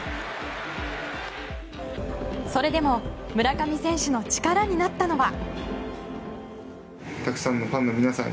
それでも、村上選手の力になったのは。